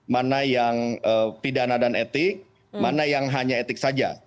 mana yang pidana dan etik mana yang hanya etik saja